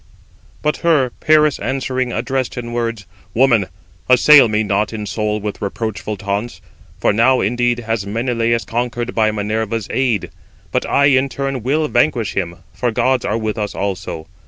But her Paris answering addressed in words: "Woman! assail me not in soul with reproachful taunts; for now indeed has Menelaus conquered by Minerva's aid; but I in turn will vanquish him, for gods are with us also.